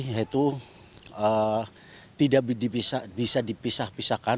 yaitu tidak bisa dipisah pisahkan untuk pengawalan dalam pasukan